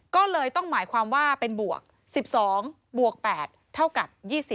ก็เลยต้องหมายความว่าเป็นบวก๑๒บวก๘เท่ากับ๒๐